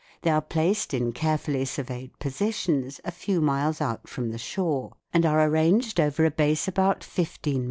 They are placed in carefully surveyed positions a few miles out from the shore, and are arranged over a base about fifteen miles long.